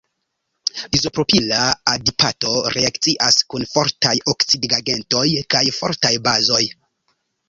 Izopropila adipato reakcias kun fortaj oksidigagentoj kaj fortaj bazoj.